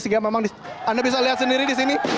sehingga memang anda bisa lihat sendiri di sini